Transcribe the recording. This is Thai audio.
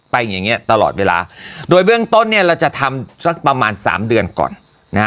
ไปอย่างนี้ตลอดเวลาโดยเบื้องต้นเนี่ยเราจะทำประมาณ๓เดือนก่อน